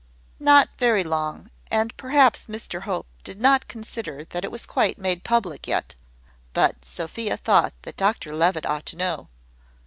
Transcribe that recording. Not very long; and perhaps Mr Hope did not consider that it was quite made public yet: but Sophia thought that Dr Levitt ought to know.